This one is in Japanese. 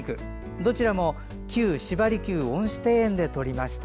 どちらも旧芝離宮恩賜庭園で撮りました。